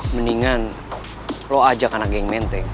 mendingan lo ajak anak geng menteng